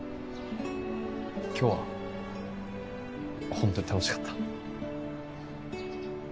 今日は本当に楽しかった。